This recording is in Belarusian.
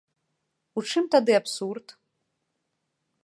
У чым тады абсурд?